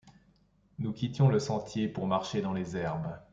Nous quittions le sentier pour. marcher, dans les herbes.